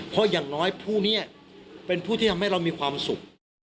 เพราะอย่างน้อยผู้นี้เป็นผู้ที่ทำให้เรามีความสุข